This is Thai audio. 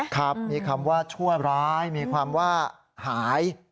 ครับมีคำว่าชั่วร้ายมีความว่าหาย